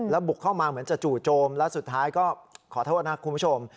บุกเข้ามาเหมือนจะจู่โจมแล้วสุดท้ายก็ขอโทษนะคุณผู้ชม